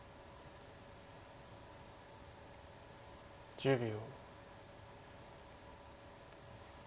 １０秒。